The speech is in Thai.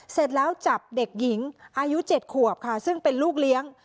เสร็จแล้วจับเด็กหญิงอายุ๗ขวบค่ะซึ่งเป็นลูกเลี้ยง